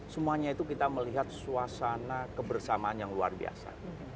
semuanya itu kita melihat suasana kebersamaan yang luar biasa